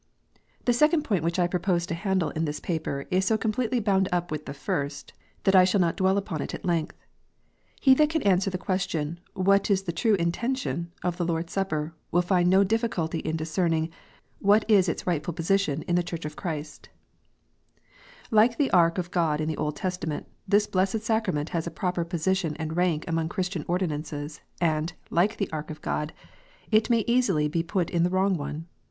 The second point which I propose to handle in this paper is so completely bound up with the first, that I shall not dwell upon it at length. He that can answer the question " What is the true intention " of the Lord s Supper ? will find no difficulty in discerning "what is its rightful position in the Church of Christ" Like the ark of God in the Old Testament, this blessed sacrament has a proper position and rank among Christian ordinances, and, like the ark of God, it may easily be put in the wrong one.